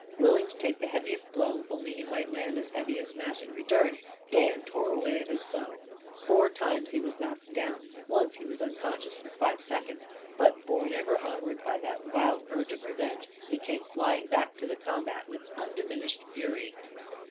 Willing to take the heaviest blow, if only he might land as heavy a smash in return, Dan tore away at his foe. Four times he was knocked down. Once he was unconscious for five seconds. But borne ever onward by that wild urge of revenge he came flying back to the combat with undiminished fury.